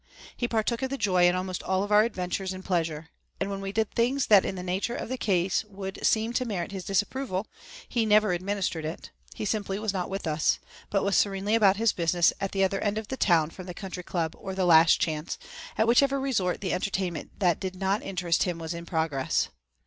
He partook of the joy in almost all of our adventures in pleasure, and when we did things that in the nature of the case would seem to merit his disapproval, he never administered it; he simply was not with us, but was serenely about his business at the other end of the town from the Country Club or the Last Chance, at whichever resort the entertainment that did not interest him was in progress.